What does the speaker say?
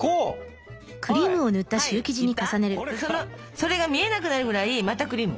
それが見えなくなるぐらいまたクリーム。